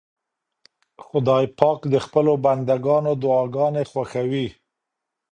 خدای پاک د خپلو بندګانو دعاګانې خوښوي.